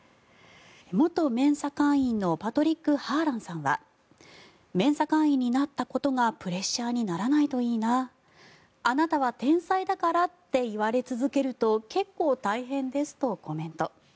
元メンサ会員のパトリック・ハーランさんはメンサ会員になったことがプレッシャーにならないといいなあなたは天才だからって言われ続けると結構大変ですとコメント。